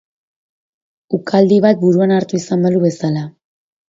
Ukaldi bat buruan hartu izan balu bezala.